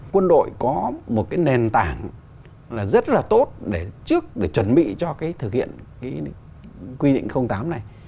quân đội có một cái nền tảng là rất là tốt để trước để chuẩn bị cho cái thực hiện cái quy định tám này